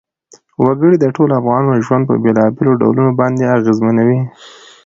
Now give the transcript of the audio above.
وګړي د ټولو افغانانو ژوند په بېلابېلو ډولونو باندې اغېزمنوي.